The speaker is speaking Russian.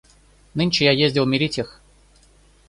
Нынче я ездил мирить их.